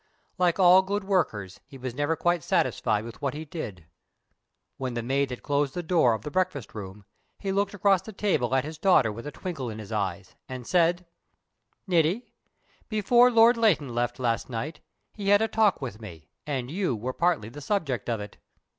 Like all good workers, he was never quite satisfied with what he did. When the maid had closed the door of the breakfast room, he looked across the table at his daughter with a twinkle in his eyes, and said: "Niti, before Lord Leighton left last night he had a talk with me, and you were partly the subject of it."